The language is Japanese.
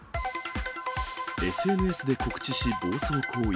ＳＮＳで告知し暴走行為。